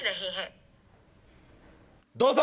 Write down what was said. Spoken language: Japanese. どうぞ！